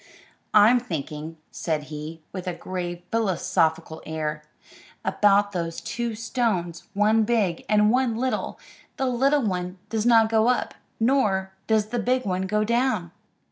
"I'm thinking," said he, with a grave, philosophical air, "about those two stones, one big and one little; the little one does not go up, nor does the big one go down."